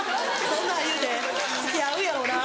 そんなん言うて付き合うんやろうなぁ。